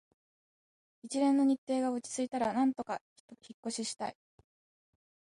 一連の日程が落ち着いたら、なんとか引っ越ししたい